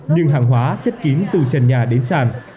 nhưng hàng hóa chất kín từ trần nhà đến sàn